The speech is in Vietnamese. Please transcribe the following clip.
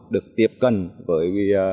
được tiếp cận với